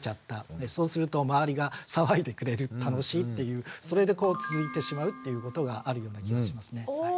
そうすると周りが騒いでくれる楽しいっていうそれで続いてしまうっていうことがあるような気はしますね。